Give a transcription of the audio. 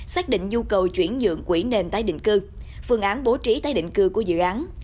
xác định nhu cầu chuyển dưỡng quỹ nền tái định cư phương án bố trí tái định cư của dự án